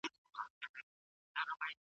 بودیجه څنګه تصویبیږي؟